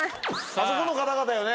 あそこの方々よね？